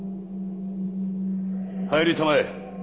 入りたまえ。